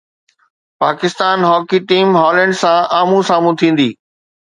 Pakistan hockey team Holland سان آمهون سامهون ٿيندي